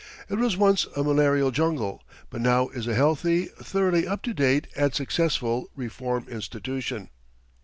It was once a malarial jungle, but now is a healthy, thoroughly up to date and successful reform institution.